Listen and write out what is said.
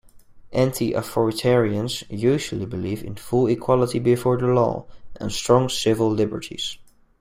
Anti-authoritarians usually believe in full equality before the law and strong civil liberties.